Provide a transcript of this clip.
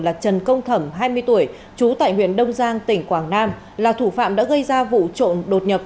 là trần công thẩm hai mươi tuổi trú tại huyện đông giang tỉnh quảng nam là thủ phạm đã gây ra vụ trộm đột nhập